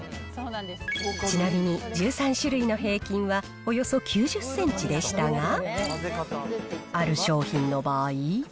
ちなみに１３種類の平均はおよそ９０センチでしたが、ある商品の場合。